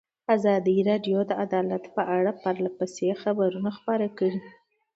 ازادي راډیو د عدالت په اړه پرله پسې خبرونه خپاره کړي.